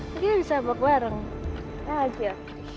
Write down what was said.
mungkin bisa mabok bareng ya aja